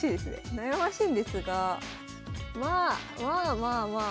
悩ましいんですがまあまあまあまあまあ。